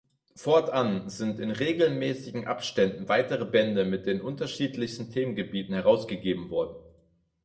Fortan sind in regelmäßigen Abständen weitere Bände mit den unterschiedlichsten Themenbereichen herausgegeben worden.